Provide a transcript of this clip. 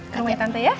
selamat malam tante ya